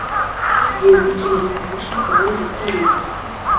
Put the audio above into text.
Ngiye gukenera ubufasha bwawe gukora ibi.